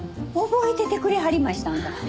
覚えててくれはりましたんか？